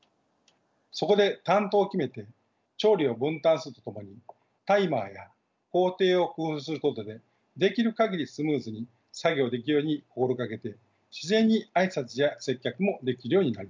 そこで担当を決めて調理を分担するとともにタイマーや工程を工夫することでできる限りスムーズに作業できるよう心がけて自然に挨拶や接客もできるようになりました。